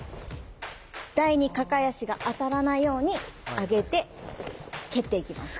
台に抱え足が当たらないように上げて蹴っていきます。